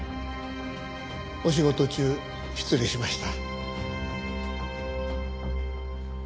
お仕事中失礼しました。